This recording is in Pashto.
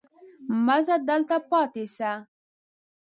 مه ځه دلته پاتې شه.